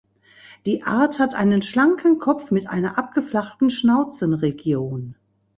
Die Art hat einen schlanken Kopf mit einer abgeflachten Schnauzenregion.